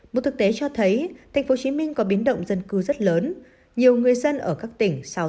một thực tế cho thấy tp hcm có biến động dân cư rất lớn nhiều người dân ở các tỉnh